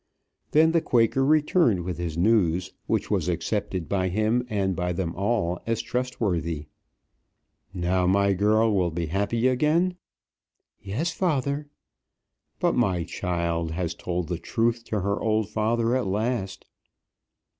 Then the Quaker returned with his news, which was accepted by him and by them all as trustworthy. "Now my girl will be happy again?" "Yes, father." "But my child has told the truth to her old father at last."